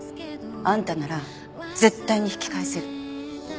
あんたなら絶対に引き返せる。